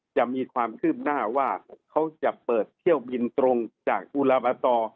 จะมีความคืบหน้าว่าเขาจะเปิดเที่ยวบินตรงจากกุลาบต